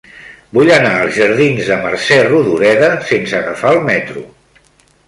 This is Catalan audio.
Vull anar als jardins de Mercè Rodoreda sense agafar el metro.